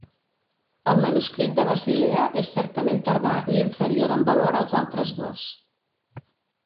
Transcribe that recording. El manuscrit de Basilea és certament tardà i inferior en valor als altres dos.